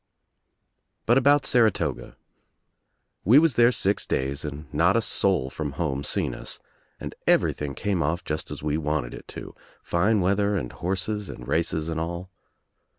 But about Saratoga. We was there six days and not a soul from home seen us and everything came off just as we wanted it to, fine weather and horses and races and all.